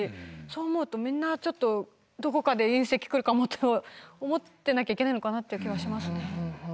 そう思うとみんなちょっとどこかで隕石来るかもって思っていなきゃいけないのかなっていう気はしますね。